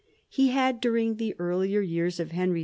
He had during the earlier years of Henry II.